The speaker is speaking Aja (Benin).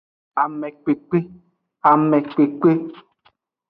Amekpekpe, amekpekpe.